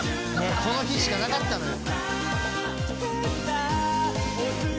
この日しかなかったのよ。